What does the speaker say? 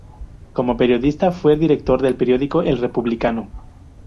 Como periodista fue director del periódico "El Republicano".